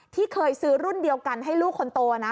ที่เคยซื้อรุ่นเดียวกันให้ลูกคนโตนะ